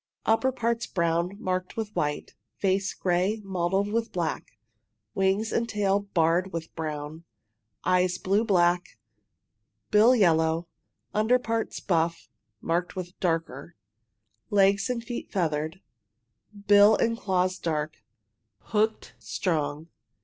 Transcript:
Upper parts brown, marked with white face gray, mottled with black, wings and tail barred with brown, eyes blue black, bill yellow, under parts buff marked with darker, legs and feet feathered, bill and claws dark, hooked, strong.